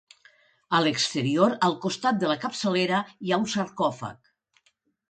A l'exterior, al costat de la capçalera, hi ha un sarcòfag.